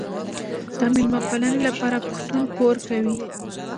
د میلمه پالنې لپاره پښتون پور کوي.